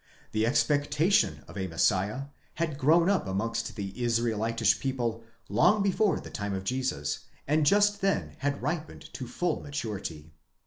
The expectation of a Messiah had grown up amongst the Israelitish people long before the time of Jesus, and just then had ripened to full maturity.